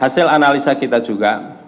hasil analisa kita juga